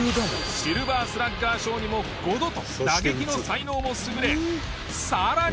シルバースラッガー賞にも５度と打撃の才能も優れさらに。